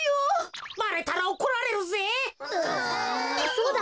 そうだ！